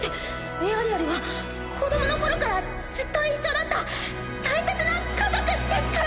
エアリアルは子どもの頃からずっと一緒だった大切な家族ですから！